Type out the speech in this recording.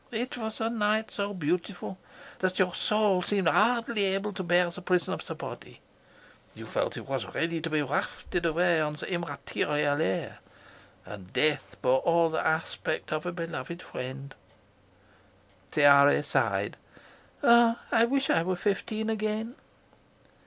It was a night so beautiful that your soul seemed hardly able to bear the prison of the body. You felt that it was ready to be wafted away on the immaterial air, and death bore all the aspect of a beloved friend." Tiare sighed. "Ah, I wish I were fifteen again."